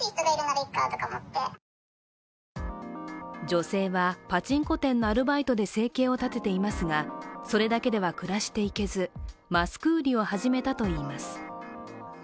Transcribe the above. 女性はパチンコ店のアルバイトで生計を立てていますが、それだけでは暮らしていけず、マスク売りを始めたといいます。